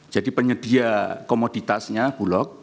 jadi penyedia komoditasnya bulog